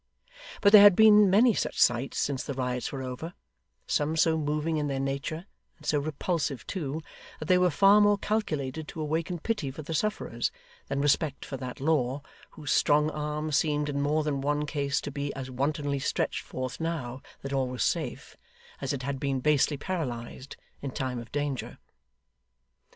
But there had been many such sights since the riots were over some so moving in their nature, and so repulsive too, that they were far more calculated to awaken pity for the sufferers, than respect for that law whose strong arm seemed in more than one case to be as wantonly stretched forth now that all was safe, as it had been basely paralysed in time of danger.